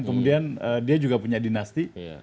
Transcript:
kemudian dia juga punya dinasti